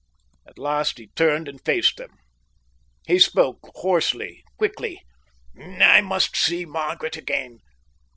At last he turned and faced them. He spoke hoarsely, quickly. "I must see Margaret again."